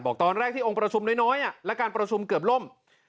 ตอนแรกที่องค์ประชุมน้อยและการประชุมเกือบล่ม